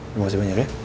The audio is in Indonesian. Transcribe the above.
terima kasih banyak ya